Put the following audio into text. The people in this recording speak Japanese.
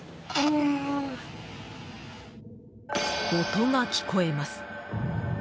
音が聞こえます。